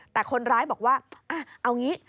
แต่คนร้ายบอกว่าเอางี้